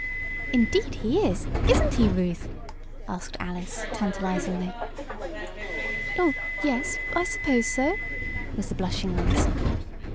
"Indeed he is; isn't he, Ruth?" asked Alice tantalizingly. "Oh, yes, I suppose so," was the blushing answer.